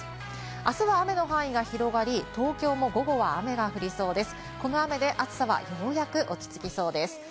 あすは雨の範囲が広がり、東京も午後は雨が降りそうです。